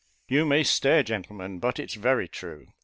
You may stare, gentlemen, but it's very true.